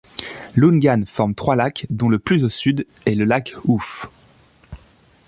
Ljungan forme trois lacs dont le plus au sud est le lac Hoof.